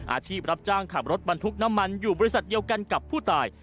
อาชีพรับจ้างขับรถบรรทุกน้ำมันอยู่บริษัทเดียวกันกับผู้ตาย